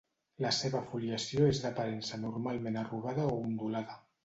La seva foliació és d'aparença normalment arrugada o ondulada.